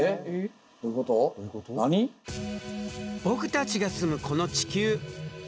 僕たちが住むこの地球。